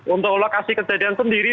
untuk lokasi kejadian sendiri